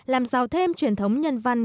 làm giàu thêm truyền thống nhân văn